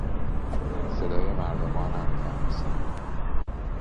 صدای مردمانند آن پسر